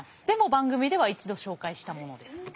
でも番組では一度紹介したものです。